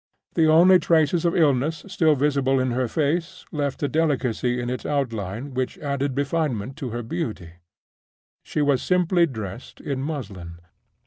The only traces of illness still visible in her face left a delicacy in its outline which added refinement to her beauty. She was simply dressed in muslin.